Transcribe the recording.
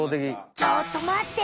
ちょっとまって！